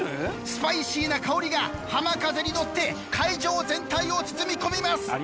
スパイシーな香りが浜風に乗って会場全体を包み込みます。